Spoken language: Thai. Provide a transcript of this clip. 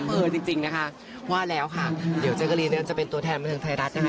เออจริงนะคะว่าแล้วค่ะเดี๋ยวเจ๊กรีนจะเป็นตัวแทนบันเทิงไทยรัฐนะคะ